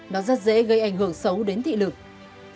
nó rất dễ gây ảnh hưởng xấu đến thiết kế